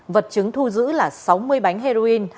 vật chứng thu giữ là sáu mươi bánh heroin